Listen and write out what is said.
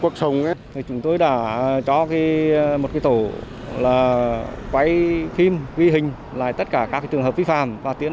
chúng tôi đã cho một cái tổ quay phim ghi hình lại tất cả các trường hợp vi phạm và tiến